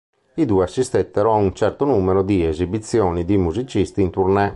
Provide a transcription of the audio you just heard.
I due assistettero a un certo numero di esibizioni di musicisti in tournée.